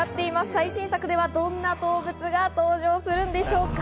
最新作ではどんな動物が登場するんでしょうか？